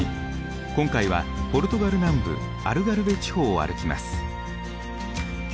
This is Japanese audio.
今回はポルトガル南部アルガルヴェ地方を歩きます。